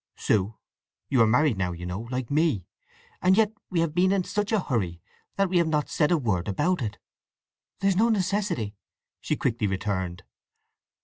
"Sue—you are married now, you know, like me; and yet we have been in such a hurry that we have not said a word about it!" "There's no necessity," she quickly returned.